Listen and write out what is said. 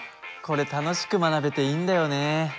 これ楽しく学べていいんだよね。